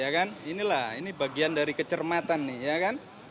ya kan inilah ini bagian dari kecermatan nih ya kan